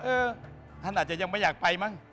ท่านอาจจะยังไม่อยากไปมั้ง